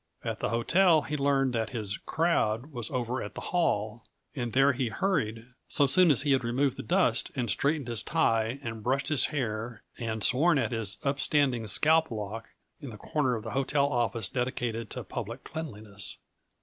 At the hotel he learned that his "crowd" was over at the hall, and there he hurried so soon as he had removed the dust and straightened his tie and brushed his hair and sworn at his upstanding scalp lock, in the corner of the hotel office dedicated to public cleanliness.